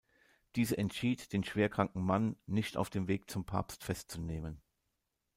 Diese entschied, den schwer kranken Mann nicht auf dem Weg zum Papst festzunehmen.